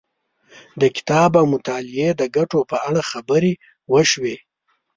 د کتاب او مطالعې د ګټو په اړه خبرې وشوې.